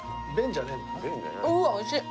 うわっおいしい！